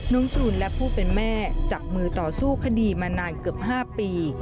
กตรูนและผู้เป็นแม่จับมือต่อสู้คดีมานานเกือบ๕ปี